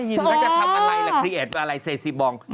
เออเช้าทำเผ็ดร้อน